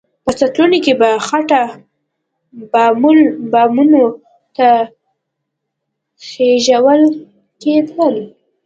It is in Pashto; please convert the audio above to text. په سطلونو کې به خټه بامونو ته خېژول کېده.